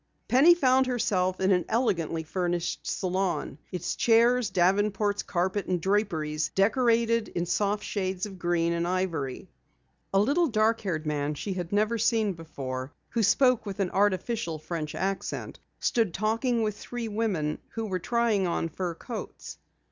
Penny found herself in an elegantly furnished salon, its chairs, davenports, carpet and draperies decorated in soft shades of green and ivory. A little dark haired man she had never seen before, who spoke with an artificial French accent, stood talking with three women who were trying on fur coats.